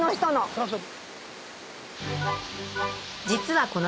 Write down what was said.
そうそう。